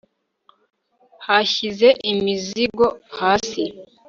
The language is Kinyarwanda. yashyize imizigo hasi